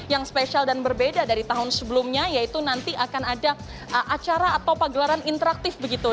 yang spesial dan berbeda dari tahun sebelumnya yaitu nanti akan ada acara atau pagelaran interaktif begitu